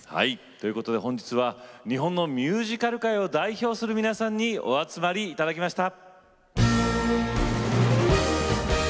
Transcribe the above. ということで本日は日本のミュージカル界を代表する皆さんにお集まりいただきました。